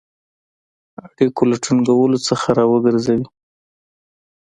اړیکو له ټینګولو څخه را وګرځوی.